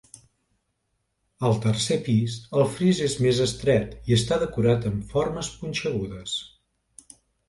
Al tercer pis el fris és més estret i està decorat amb formes punxegudes.